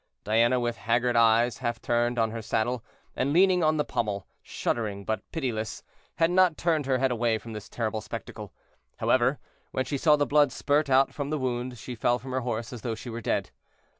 Diana, with haggard eyes, half turned on her saddle, and leaning on the pommel, shuddering, but pitiless, had not turned her head away from this terrible spectacle. However, when she saw the blood spurt out from the wound, she fell from her horse as though she were dead.